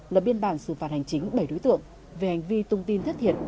lập biên bản xử phạt hành chính bảy đối tượng về hành vi thông tin thất thiệt